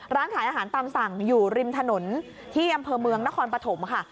ร้านขายอาหารตามสั่งอยู่ริมถนนที่อำเภอเมืองนครปฐมค่ะ